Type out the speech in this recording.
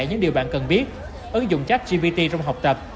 những điều bạn cần biết ứng dụng chat gpt trong học tập